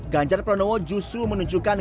ganjar pranowo justru menunjukkan